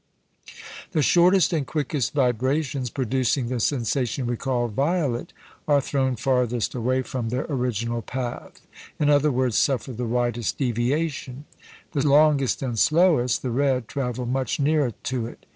The shortest and quickest vibrations (producing the sensation we call "violet") are thrown farthest away from their original path in other words, suffer the widest "deviation;" the longest and slowest (the red) travel much nearer to it.